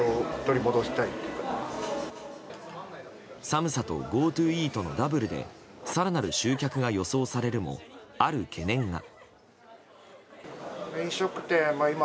寒さとＧｏＴｏイートのダブルで更なる集客が予想されるもある懸念が。